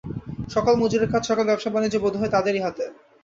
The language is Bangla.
সকল মজুরের কাজ, সকল ব্যবসা-বাণিজ্য বোধ হয় তাদেরই হাতে।